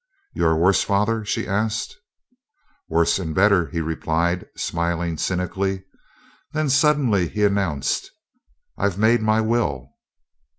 "You are worse, father?" she asked. "Worse and better," he replied, smiling cynically. Then suddenly he announced: "I've made my will."